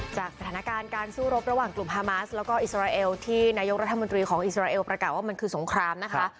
สถานการณ์การสู้รบระหว่างกลุ่มฮามาสแล้วก็อิสราเอลที่นายกรัฐมนตรีของอิสราเอลประกาศว่ามันคือสงครามนะคะ